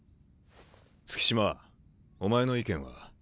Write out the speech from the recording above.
月島お前の意見は？